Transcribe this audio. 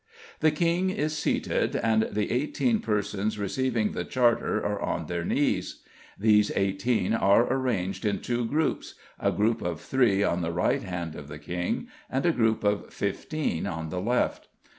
The king is seated, and the eighteen persons receiving the charter are on their knees. These eighteen are arranged in two groups a group of three on the right hand of the king, and a group of fifteen on the left.